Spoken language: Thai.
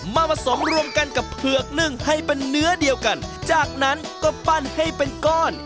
มาผสมรวมกันกับเผือกนึ่งให้เป็นเนื้อเดียวกันจากนั้นก็ปั้นให้เป็นก้อน